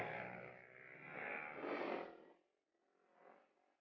ray lu duluan aja ray biar gua yang ngalangi mereka